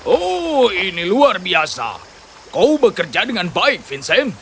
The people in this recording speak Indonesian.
oh ini luar biasa kau bekerja dengan baik vincent